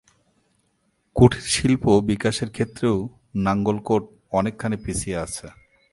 কুটির শিল্প বিকাশের ক্ষেত্রেও নাঙ্গলকোট অনেকখানি পিছিয়ে আছে।